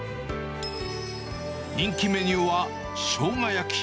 人気メニューはしょうが焼き。